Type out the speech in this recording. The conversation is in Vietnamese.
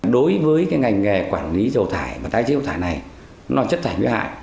đối với cái ngành nghề quản lý chất thải